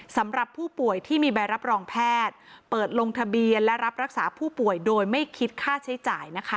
สำหรับผู้ป่วยที่มีใบรับรองแพทย์เปิดลงทะเบียนและรับรักษาผู้ป่วยโดยไม่คิดค่าใช้จ่ายนะคะ